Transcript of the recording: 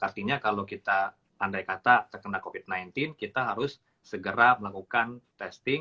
artinya kalau kita andai kata terkena covid sembilan belas kita harus segera melakukan testing